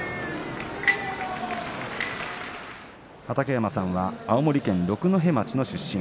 畠山さんは青森県六戸町の出身